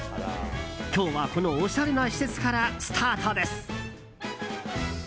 今日は、このおしゃれな施設からスタートです。